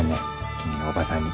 君の叔母さんに。